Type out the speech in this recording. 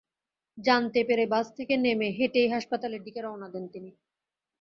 জানতে পেরে বাস থেকে নেমে হেঁটেই হাসপাতালের দিকে রওনা দেন তিনি।